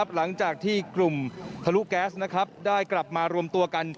หลังจากที่กลุ่มทะลุแก๊สได้กลับมารวมตัวกัน